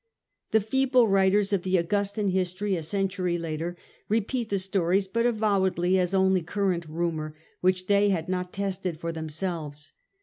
The feeble writers of the Augustan history a century later repeat the stories, but avowedly as only current rumour, which they had not tested for themselves.